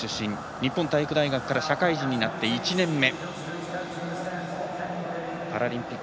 日本体育大学から社会人になって１年目。